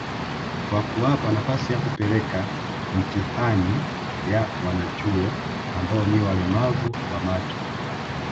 kwa kuwapa nafasi ya kupeleka mtihani ya wanachuo ambao ni walemavu wa macho